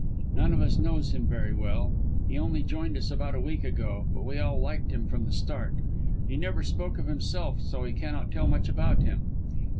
None of us knows him very well. He only joined us about a week ago, but we all liked him from the start. He never spoke of himself, so we cannot tell much about him.